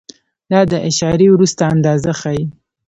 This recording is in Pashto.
دا د اعشاریې وروسته اندازه ښیي.